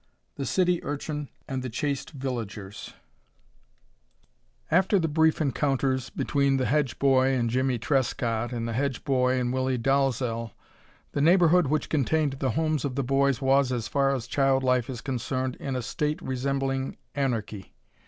XII THE CITY URCHIN AND THE CHASTE VILLAGERS After the brief encounters between the Hedge boy and Jimmie Trescott and the Hedge boy and Willie Dalzel, the neighborhood which contained the homes of the boys was, as far as child life is concerned, in a state resembling anarchy.